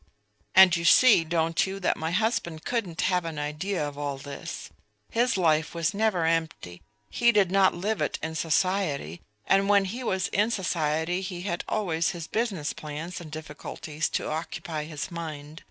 "And you see, don't you, that my husband couldn't have an idea of all this? His life was never empty. He did not live it in society, and when he was in society he had always his business plans and difficulties to occupy his mind.